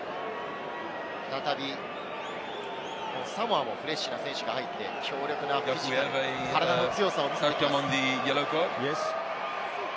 再びサモアもフレッシュな選手が入って、強力な布陣、体の強さを見せてきます。